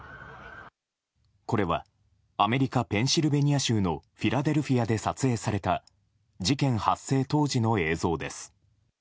これはアメリカ・ペンシルベニア州のフィラデルフィアで撮影された事件発生当時の映像です。